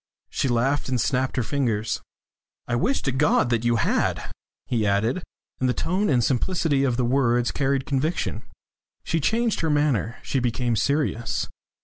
She laughed and snapped her fingers. "I wish to God you had!" he added, and the tone and simplicity of the words carried conviction. She changed her manner. She became serious.